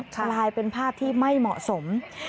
กลายเป็นภาพที่ไม่เหมาะสม